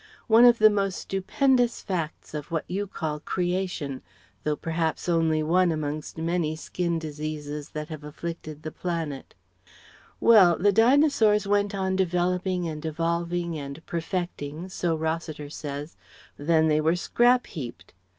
One of the most stupendous facts of what you call 'creation,' though perhaps only one amongst many skin diseases that have afflicted the planet Well the Dinosaurs went on developing and evolving and perfecting so Rossiter says for three million years or so Then they were scrap heaped.